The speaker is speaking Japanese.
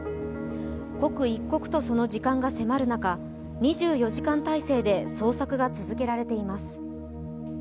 刻一刻とその時間が迫る中、２４時間態勢で捜索が続けられています。